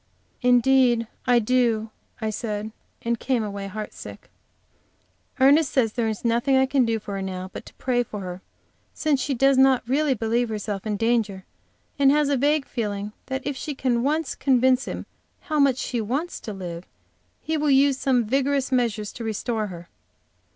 "Indeed I do," I said, and came away, heartsick. Ernest says there is nothing I can do for her now but to pray for her, since she does not really believe herself in danger, and has a vague feeling that if she can once convince him how much she wants to live, he will use some vigorous measures to restore her.